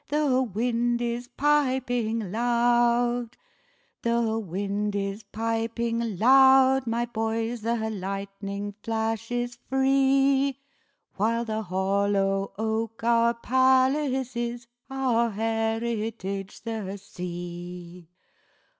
The wind is piping loud; The wind is piping loud, my boys, The lightning flashes free—While the hollow oak our palace is, Our heritage the sea.